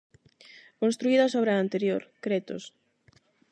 Construída sobre a anterior, cretos.